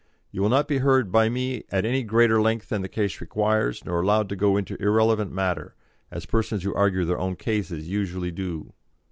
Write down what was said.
You will not be heard by me at any greater length than the case requires, nor allowed to go into irrelevant matter, as persons who argue their own cases usually do."